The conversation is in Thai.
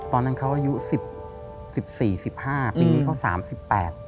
ตอนนั้นเขาอายุ๑๔๑๕ปีนี้เขา๓๘